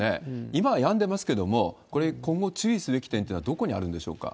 今はやんでますけれども、これ、今後注意すべき点というのはどこにあるんでしょうか？